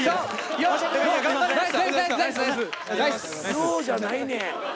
「よ」じゃないねん。